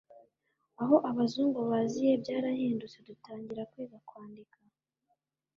aho abazungu baziye byarahindutse dutangira kwiga kwandika